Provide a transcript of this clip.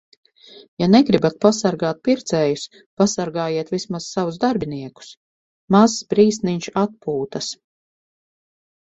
Ja negribat pasargāt pircējus, pasargājiet vismaz savus darbiniekus. Mazs brīsniņš atpūtas.